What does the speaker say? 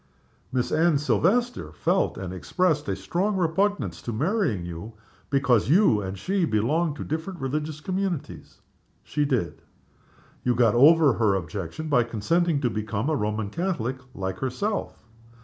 "Miss Anne Silvester felt, and expressed, a strong repugnance to marrying you, because you and she belonged to different religious communities?" "She did." "You got over her objection by consenting to become a Roman Catholic, like herself?"